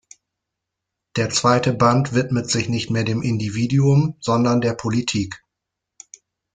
Der zweite Band widmet sich nicht mehr dem Individuum, sondern der Politik.